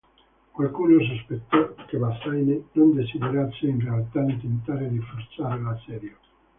Qualcuno sospettò che Bazaine non desiderasse in realtà di tentare di forzare l'assedio.